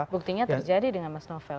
buktinya terjadi dengan mas novel